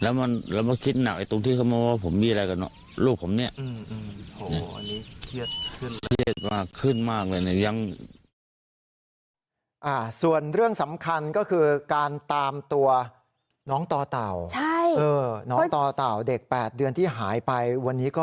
วันนี้ก็ออกไปแล้ว